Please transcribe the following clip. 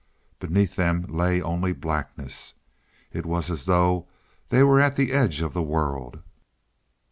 Beneath them lay only blackness; it was as though they were at the edge of the world.